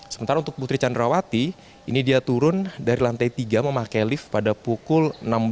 sementara untuk putri candrawati ini dia turun dari lantai tiga memakai lift pada pukul enam belas